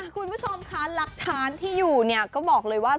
คุณผู้ชมคะหลักฐานที่อยู่เนี่ยก็บอกเลยว่า